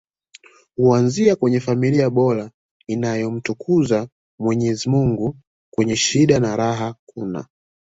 huanzia kwenye familia bora inayomtukuza mwenyezi mungu kwenye shida na raha kuna